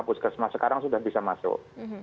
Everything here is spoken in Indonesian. puskesmas sekarang sudah bisa masuk